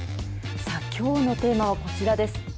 さあきょうのテーマはこちらです。